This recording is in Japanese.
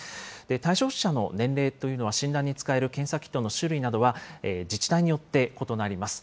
対象者の年齢や、診断に使える検査キットの種類などは、自治体によって異なります。